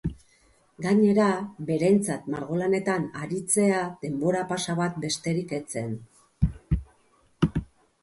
Gainera, berentzat margolanetan aritzea denbora-pasa bat besterik ez zen.